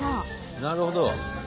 なるほど。